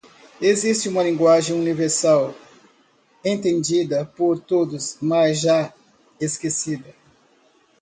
Existe uma linguagem universal? entendida por todos? mas já esquecida.